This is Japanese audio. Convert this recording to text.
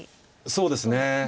そうですね。